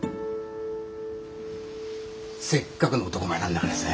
せっかくの男前なんだからさ。ね？